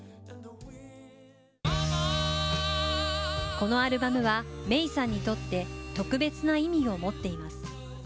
このアルバムは、メイさんにとって特別な意味を持っています。